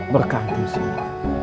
berkah untuk semua